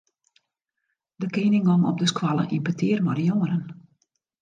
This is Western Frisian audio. De kening gong op de skoalle yn petear mei de jongeren.